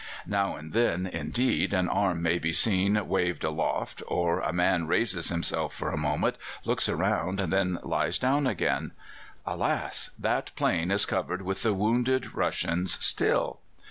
Now and then, indeed, an arm may be seen waved aloft, or a man raises himself for a moment, looks around, and then lies down again. Alas! that plain is covered with the wounded Russians still.